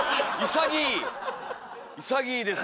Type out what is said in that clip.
潔いです。